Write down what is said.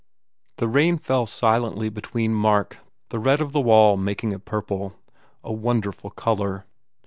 The rain fell silently between Mark the red of the wall making it purple a wonderful colour.